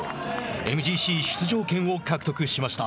ＭＧＣ出場権を獲得しました。